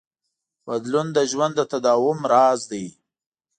بدلون د ژوند د تداوم راز دی.